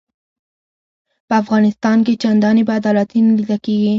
په افغانستان کې چنداني بې عدالتي نه لیده کیږي.